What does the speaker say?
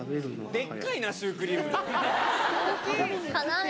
でっかいな、シュークリーム。